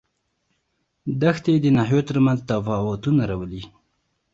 دښتې د ناحیو ترمنځ تفاوتونه راولي.